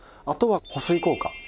あとは保水効果。